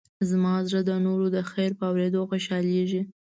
زما زړه د نورو د خیر په اورېدو خوشحالېږي.